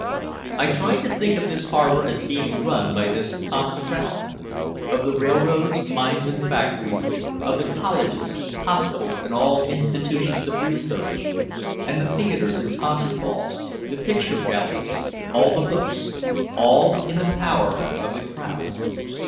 I tried to think of this harbor as being run by this common crowd of the railroads, mines and factories, of the colleges, hospitals and all institutions of research, and the theaters and concert halls, the picture galleries, all the books all in the power of the crowd.